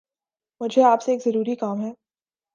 مجھے آپ سے ایک ضروری کام ہے